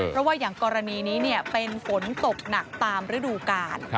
เพราะว่าอย่างกรณีนี้เป็นฝนตกหนักตามฤดูกาล